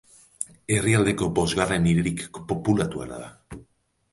Herrialdeko bosgarren hiririk populatuena da.